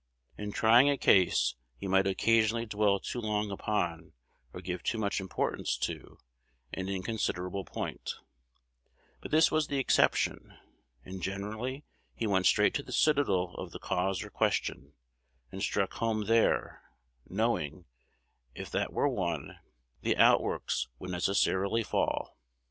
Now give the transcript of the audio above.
In trying a case, he might occasionally dwell too long upon, or give too much importance to, an inconsiderable point; but this was the exception, and generally he went straight to the citadel of the cause or question, and struck home there, knowing, if that were won, the outworks would necessarily fall.